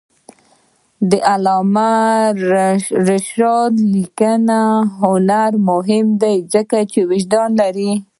د علامه رشاد لیکنی هنر مهم دی ځکه چې وجدان لري.